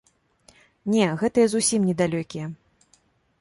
Не, гэтыя зусім не далёкія.